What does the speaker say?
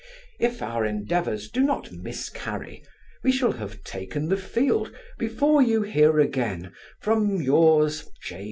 If our endeavours do not miscarry, we shall have taken the field before you hear again from Yours, J.